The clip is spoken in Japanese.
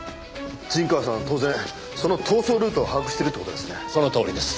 陣川さんは当然その逃走ルートを把握しているって事ですね。